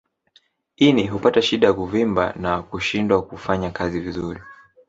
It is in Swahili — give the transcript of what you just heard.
Ini hupata shida huvimba na kushindwa kufanya kazi vizuri